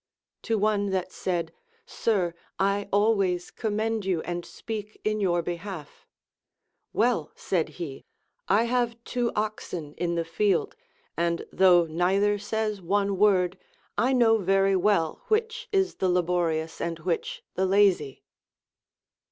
To one that said, Sir, I always commend you and speak in your behalf, — Well, said he, I have two oxen in the field, and though neither says one word, I know very Avell which is the laborious and which the lazy.